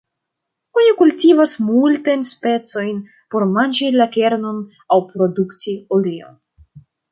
Oni kultivas multajn specojn por manĝi la kernon aŭ produkti oleon.